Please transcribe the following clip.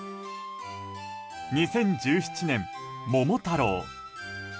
２０１７年、「桃太郎」。